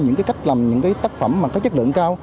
những cái cách làm những cái tác phẩm mà có chất lượng cao